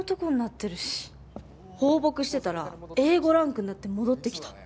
放牧してたらＡ５ランクになって戻ってきた。